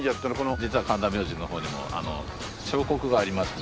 実は神田明神の方にも彫刻がありますもんで。